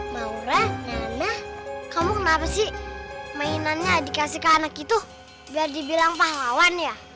maura nenek kamu kenapa sih mainannya dikasih ke anak itu biar dibilang pahlawan ya